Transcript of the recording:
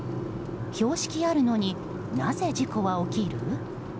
標識あるのになぜ事故は起きる？